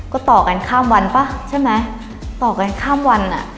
ก็ต่อกันข้ามวันป่ะใช่ไหมต่อกันข้ามวันอ่ะ